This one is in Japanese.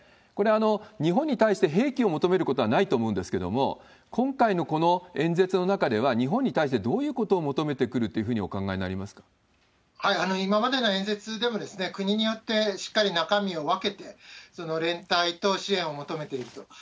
これ、日本に対して兵器を求めることはないと思うんですけれども、今回のこの演説の中では、日本に対してどういうことを求めてくるというふうにお考えになり今までの演説でも、国によってしっかり中身を分けて、連帯と支援を求めていると。